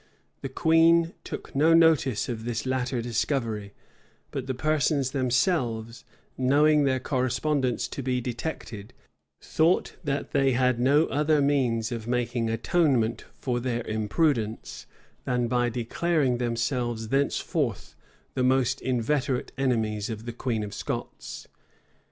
The queen took no notice of this latter discovery; but the persons themselves, knowing their correspondence to be detected, though that they had no other means of making atonement for their imprudence, than by declaring themselves thenceforth the most inveterate enemies of the queen of Scots.